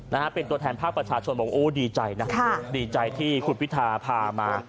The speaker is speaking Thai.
นะฮะเป็นตัวแทนภาคประชาชนบอกโอ้ดีใจนะค่ะดีใจที่คุณพิธาพามา